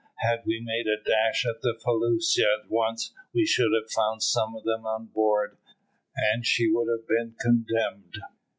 Had we made a dash at the felucca at once, we should have found some of them on board, and she would have been condemned.